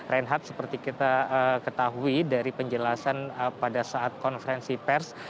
reinhardt seperti kita ketahui dari penjelasan pada saat konferensi pers